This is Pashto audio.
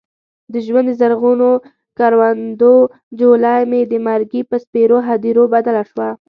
د ژوند د زرغونو کروندو جوله یې د مرګي په سپېرو هديرو بدله شوه.